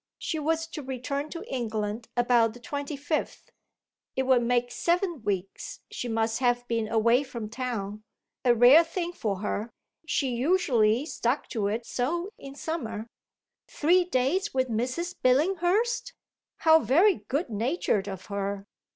She was to return to England about the twenty fifth. It would make seven weeks she must have been away from town a rare thing for her; she usually stuck to it so in summer. "Three days with Mrs. Billinghurst how very good natured of her!"